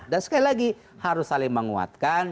dan sekali lagi harus saling menguatkan